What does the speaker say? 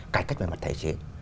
cải cách về mặt thể chế